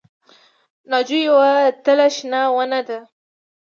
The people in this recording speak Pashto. ناجو یوه تل شنه ونه ده